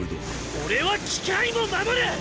俺は機械も守る！